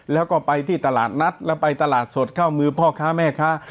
แล้วก็ไปที่ตลาดนัดแล้วไปตลาดสดเข้ามือพ่อค้าแม่ค้า